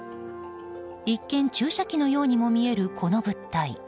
一見、注射器のようにも見えるこの物体。